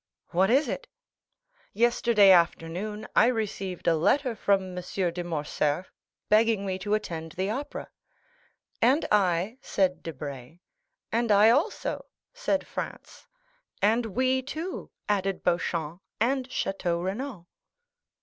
"What is it?" "Yesterday afternoon I received a letter from M. de Morcerf, begging me to attend the Opera." "And I," said Debray. "And I also," said Franz. "And we, too," added Beauchamp and Château Renaud.